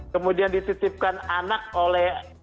kemudian dititipkan anak oleh